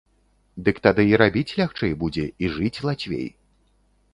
Дык тады і рабіць лягчэй будзе, і жыць лацвей.